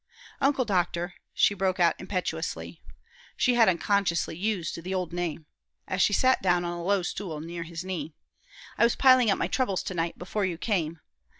"Uncle Doctor," she broke out impetuously she had unconsciously used the old name as she sat down on a low stool near his knee, "I was piling up my troubles to night before you came.